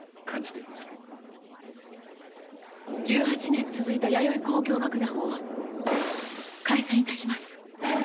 １８年続いたヤヨイ交響楽団を解散致します。